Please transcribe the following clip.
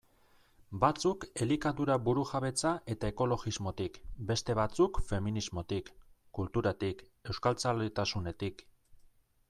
Batzuk elikadura burujabetza eta ekologismotik, beste batzuk feminismotik, kulturatik, euskaltzaletasunetik...